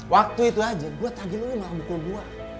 waktu itu aja gue tadi lo malah bukul gue